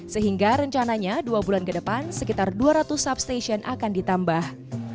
sehingga rencananya dua bulan ke depan sekitar dua ratus substation akan ditambah